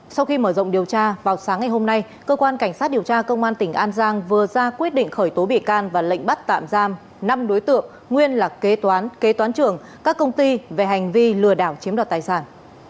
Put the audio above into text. sau khi mở rộng điều tra vào sáng ngày hôm nay cơ quan cảnh sát điều tra công an tỉnh an giang vừa ra quyết định khởi tố bị can và lệnh bắt tạm giam năm đối tượng nguyên là kế toán kế toán trưởng các công ty về hành vi lừa đảo chiếm đoạt tài sản